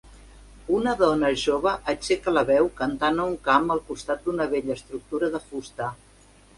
Una dona jove aixeca la veu cantant a un camp al costat d'una vella estructura de fusta.